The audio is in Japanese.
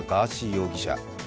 容疑者。